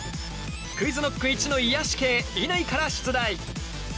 ＱｕｉｚＫｎｏｃｋ一の癒やし系乾から出題。